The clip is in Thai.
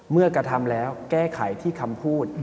เมื่อกระทำแล้วแก้ไขที่คำพูด